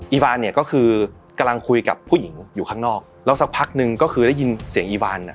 ฟานเนี่ยก็คือกำลังคุยกับผู้หญิงอยู่ข้างนอกแล้วสักพักนึงก็คือได้ยินเสียงอีฟานอ่ะ